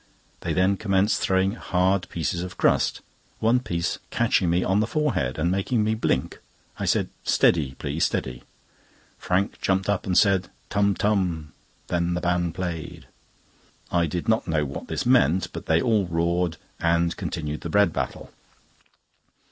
They then commenced throwing hard pieces of crust, one piece catching me on the forehead, and making me blink. I said: "Steady, please; steady!" Frank jumped up and said: "Tum, tum; then the band played." I did not know what this meant, but they all roared, and continued the bread battle.